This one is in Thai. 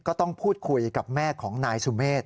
ก็ต้องพูดคุยกับแม่ของนายสุเมฆ